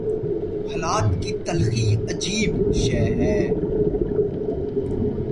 حالات کی تلخی عجیب شے ہے۔